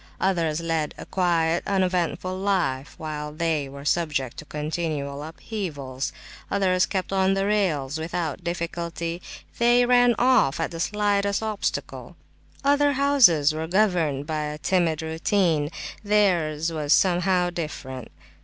Others led a quiet, uneventful life, while they were subject to continual upheavals. Others kept on the rails without difficulty; they ran off at the slightest obstacle. Other houses were governed by a timid routine; theirs was somehow different.